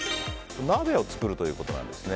お鍋を作るということなんですね。